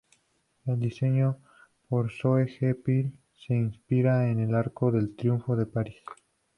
El diseño, por Seo Jae-pil, se inspira en el arco de triunfo de París.